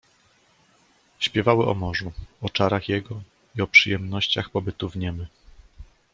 "Śpiewały o morzu, o czarach jego i o przyjemnościach pobytu w niem."